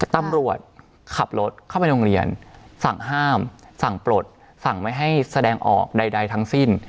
ตำรวจขับรถเข้าไปโรงเรียนสั่งห้ามสั่งปลดสั่งไม่ให้แสดงออกใดทั้งสิ้น